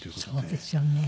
そうですよね。